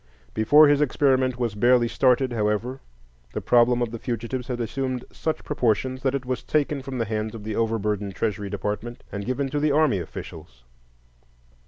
Before his experiment was barely started, however, the problem of the fugitives had assumed such proportions that it was taken from the hands of the over burdened Treasury Department and given to the army officials.